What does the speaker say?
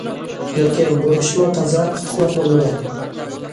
لېكىن بۇ ئىشمۇ تازا ئۇتۇقلۇق بولمىدى.